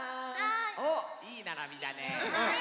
おっいいならびだね。